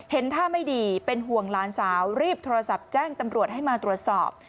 ท่าไม่ดีเป็นห่วงหลานสาวรีบโทรศัพท์แจ้งตำรวจให้มาตรวจสอบ